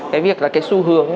cái việc là cái xu hướng